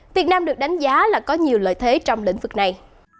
việt nam được đánh giá là có nhiều lợi thế trong lĩnh vực này